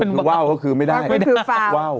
เป็นว้าวก็คือไม่ได้ว้าว